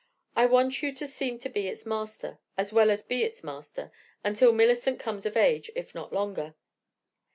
I want you to seem to be its master, as well as be its master, until Millicent comes of age, if not longer.